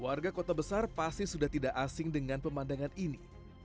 warga kota besar pasti sudah tidak asing dengan pemandangan ini